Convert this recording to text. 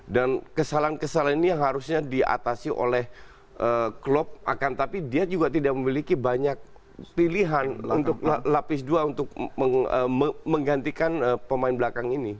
dan kesalahan kesalahan ini yang harusnya diatasi oleh klub akan tapi dia juga tidak memiliki banyak pilihan untuk lapis dua untuk menggantikan pemain belakang ini